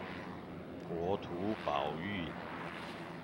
國土保育